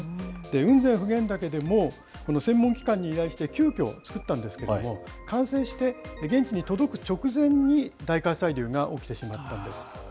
雲仙・普賢岳でも、専門機関に依頼して急きょ、作ったんですけれども、完成して、現地に届く直前に大火砕流が起きてしまったんです。